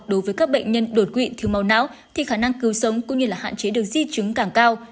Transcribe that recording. đối với các bệnh nhân đột quỵ thiếu máu não thì khả năng cứu sống cũng như là hạn chế được di chứng càng cao